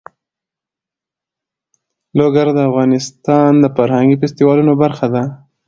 لوگر د افغانستان د فرهنګي فستیوالونو برخه ده.